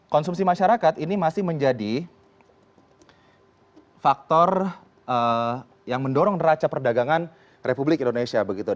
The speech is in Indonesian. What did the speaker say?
konsumsi masyarakat ini masih menjadi faktor yang mendorong neraca perdagangan republik indonesia begitu